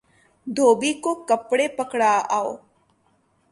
دھوبی کو کپڑے پکڑا او